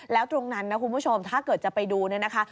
แล้วตรงนั้นนะคุณผู้ชมถ้าเกิดจะไปดูเนี่ยนะคะ